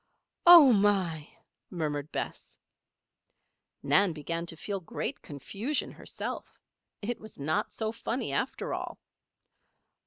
"Oh my!" murmured Bess. Nan began to feel great confusion herself. It was not so funny, after all!